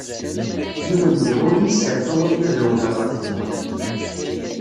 Yiwen diɣ ur yi-serfaw akken ad rewleɣ ɣef gma.